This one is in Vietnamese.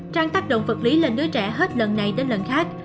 trang tác động vật lý lên đứa trẻ hết lần này đến lần khác